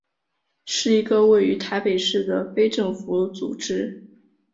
是一个位于台北市的非政府组织。